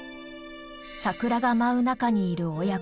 桜が舞う中にいる親子。